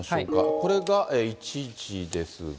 これが１時ですが。